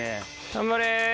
頑張れ！